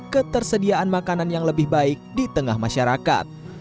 ketersediaan makanan yang lebih baik di tengah masyarakat